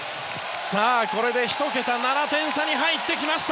これで１桁７点差に入りました。